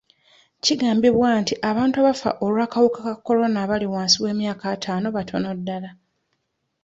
Kigambibwa nti abantu abafa olw'akawuka ka Corona abali wansi w'emyaka ataano batono ddala.